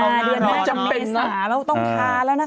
เซษสาเราต้องพาร้ำนะค่ะ